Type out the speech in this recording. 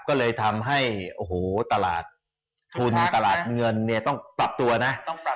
ก็เลยทำให้โอ้โหตลาดทุนตลาดเงินเนี่ยต้องปรับตัวนะ